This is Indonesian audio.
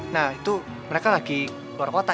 nah itu mereka lagi keluar kota